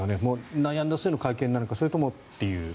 悩んだ末の会見なのかそれともという。